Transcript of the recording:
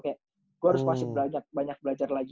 kayak gue harus masih banyak banyak belajar lagi